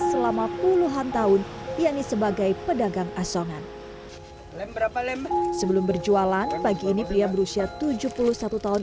selama puluhan tahun yaitu sebagai pedagang asongan lembe sebelum berjualan pagi ini pria berusia tujuh puluh satu tahun